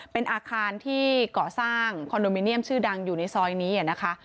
เป็นอาคารที่ก่อสร้างคอนโดมิเนียมชื่อดังอยู่ในซอยนี้นะคะ